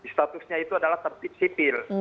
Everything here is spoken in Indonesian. statusnya itu adalah tertib sipil